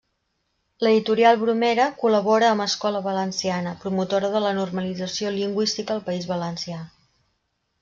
L’editorial Bromera col·labora amb Escola Valenciana, promotora de la normalització lingüística al País Valencià.